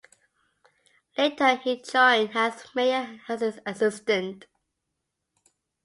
Later he joined Hans Mayer as his assistant.